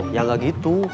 ya enggak gitu